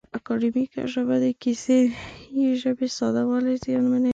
اکاډیمیکه ژبه د کیسه یي ژبې ساده والی زیانمنوي.